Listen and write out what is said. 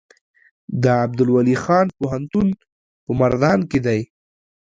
د عبدالولي خان پوهنتون په مردان کې دی